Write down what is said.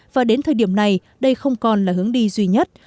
và đến thời điểm này đây không còn là hướng đi duy nhất